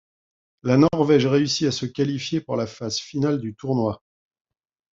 La Norvège réussit à se qualifier pour la phase finale du tournoi.